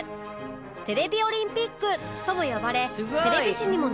テレビオリンピックとも呼ばれテレビ史にも残る大会でした